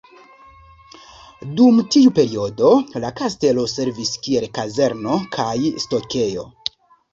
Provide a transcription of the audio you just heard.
Dum tiu periodo la kastelo servis kiel kazerno kaj stokejo.